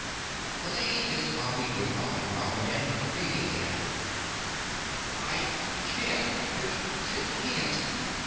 The lady kissed Bobby good bye while the man looked pleadingly at her. "I can't, Alfred! I can't!"